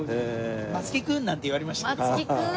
「松木君！」なんて言われましたけど。